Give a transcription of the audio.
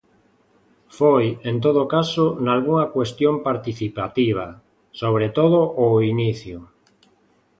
Foi, en todo caso, nalgunha cuestión, participativa, sobre todo ao inicio.